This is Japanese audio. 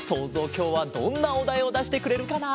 きょうはどんなおだいをだしてくれるかな？